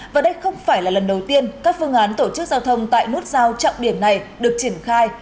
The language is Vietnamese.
và đây không phải là lần đầu tiên các phương án tổ chức giao thông tại nút giao trọng điểm này được triển khai